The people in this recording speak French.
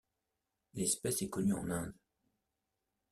L'espèce est connue en Inde.